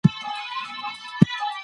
د عضلاتو جوړښت د انرژي غوښتنه ډېروي.